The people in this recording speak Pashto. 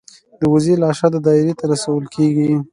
د وزې لاشه د دایرې ته رسول کیږي.